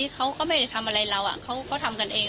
เขาก็ไม่ได้ทำอะไรเราเขาทำกันเอง